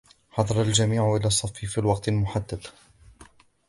حضر الجميع إلى الصف في الوقت المحدد